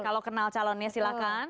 kalau kenal calonnya silahkan